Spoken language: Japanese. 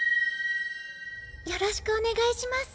よろしくお願いします。